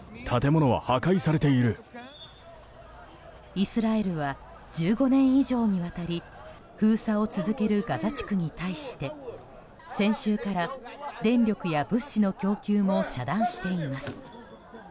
イスラエルは１５年以上にわたり封鎖を続けるガザ地区に対して先週から電力や物資の供給も遮断しています。